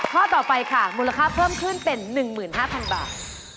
ข้อต่อไปค่ะมูลค่าเพิ่มขึ้นเป็น๑๕๐๐๐บาท